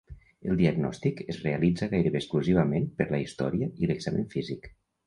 El diagnòstic es realitza gairebé exclusivament per la història i l'examen físic.